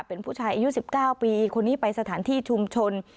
เป็นผู้ชายอายุ๑๙ปีคนนี้ไปสถานที่ชุมชน